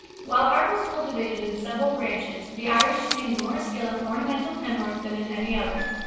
While Art was cultivated in several branches, the Irish attained more skill in Ornamental Penwork than in any other.